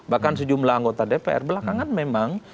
bahkan sejumlah anggota dpr belakangan memang